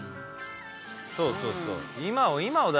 そうそうそう。